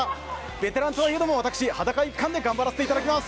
ベテランとはいえども私、裸一貫で頑張らせていただきます。